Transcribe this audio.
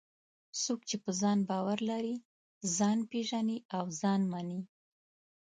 څوک چې په ځان باور لري، ځان پېژني او ځان مني.